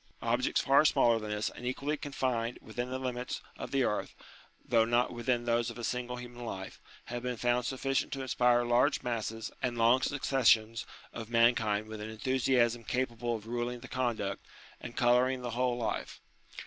Objects far smaller than this, and equally confined within the limits of UTILITY OF RELIGION 107 ihe earth (though not within those of a single human life), have been found sufficient to inspire large masses and long successions of mankind with an enthusiasm capable of ruling the conduct, and colouring the whole life.